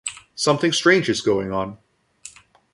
Something strange is going on.